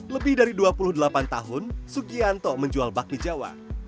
lebih dari dua puluh delapan tahun sugianto menjual bakmi jawa